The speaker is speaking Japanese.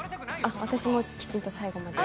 私も、きちんと最後まで。